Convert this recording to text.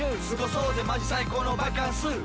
「過ごそうぜマジ最高のバカンス」